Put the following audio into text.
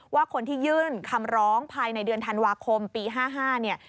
ว่าคนที่ยื่นคำร้องภายในเดือนธันวาคมปี๕๕เนี่ย